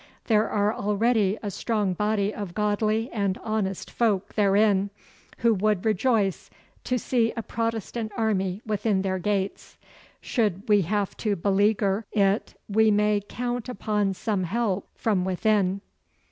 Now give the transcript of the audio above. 'There are already a strong body of godly and honest folk therein, who would rejoice to see a Protestant army within their gates. Should we have to beleaguer it we may count upon some help from within.